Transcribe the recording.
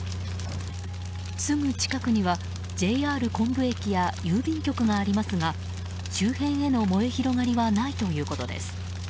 すぐ近くにはＪＲ昆布駅や郵便局がありますが周辺への燃え広がりはないということです。